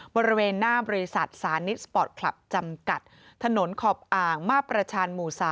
บริเวณหน้าบริษัทสานิสสปอร์ตคลับจำกัดถนนขอบอ่างมาประชานหมู่๓